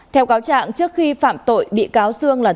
theo cáo trạng trước khi phạm tội bị cáo sương là